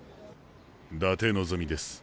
伊達望です。